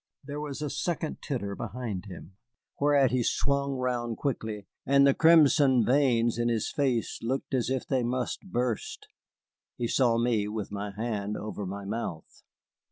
There was a second titter behind him, whereat he swung round quickly, and the crimson veins in his face looked as if they must burst. He saw me with my hand over my mouth.